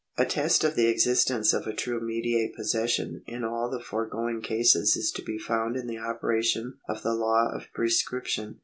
A test of the existence of a true mediate jDossession in all the foregoing cases is to be found in the operation of the law of prescription.